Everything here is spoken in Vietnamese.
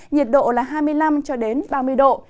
nhiệt độ là hai mươi năm ba mươi độ